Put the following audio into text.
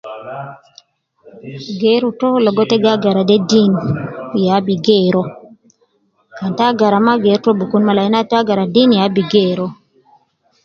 Geeru to logo te gagara de diin ya bi geeru uwo. Kan taagara mma, geeru to bi Kun maa. Lakin aju taagara diin ya bi geeru uwo.